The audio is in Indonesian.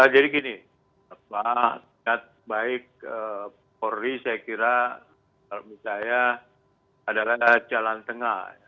jadi gini sebaik polri saya kira misalnya adalah jalan tengah